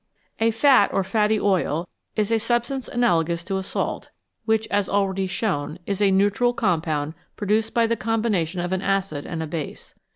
A fat or fatty oil is a substance analogous to a salt, which, as already shown, is a neutral compound produced by the combination of an acid and a base.